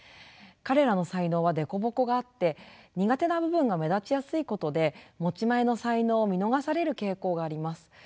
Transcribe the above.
彼らの才能は凸凹があって苦手な部分が目立ちやすいことで持ち前の才能を見逃される傾向があります。